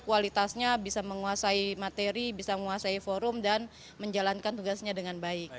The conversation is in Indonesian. kualitasnya bisa menguasai materi bisa menguasai forum dan menjalankan tugasnya dengan baik